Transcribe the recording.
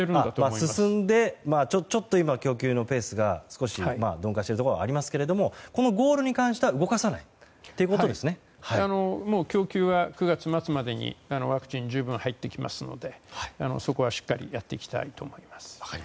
進んで、供給のペースが少し落ちていますがゴールに関しては供給は９月末までにワクチン、十分に入ってきますのでそこはしっかりやっていきたいと思います。